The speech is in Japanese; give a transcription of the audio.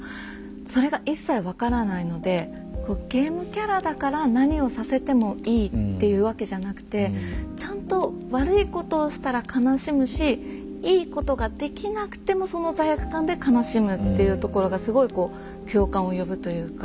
それが一切分からないので「ゲームキャラだから何をさせてもいい」っていうわけじゃなくてちゃんと悪いことをしたら悲しむしいいことができなくてもその罪悪感で悲しむっていうところがすごいこう共感を呼ぶというか。